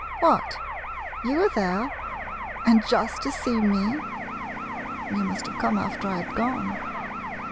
What — you were there, and just to see me? You must have come after I had gone.